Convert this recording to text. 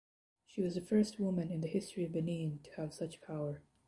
She was the first woman in the history of Benin to have such power.